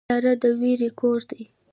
تیاره د وېرې کور دی.